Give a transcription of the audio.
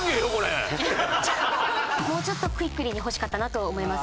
もうちょっとクイックリーに欲しかったなと思います。